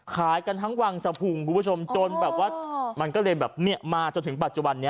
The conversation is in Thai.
ขายกันถ้างวังซะพุงคุณผู้ชมจนมันมาจนถึงปัจจุบันนี้